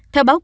theo báo cáo